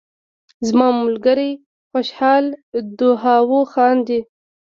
زما ملګری خوشحاله دهاو خاندي